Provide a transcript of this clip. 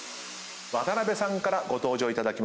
渡辺さんからご登場いただきます川田さん